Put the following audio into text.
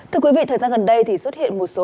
thưa quý vị thời gian gần đây thì xuất hiện một số